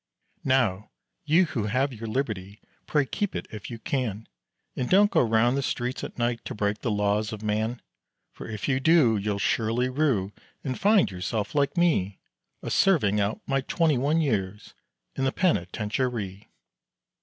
Now, you who have your liberty, pray keep it if you can, And don't go around the streets at night to break the laws of man; For if you do you'll surely rue and find yourself like me, A serving out my twenty one years in the penitentiary.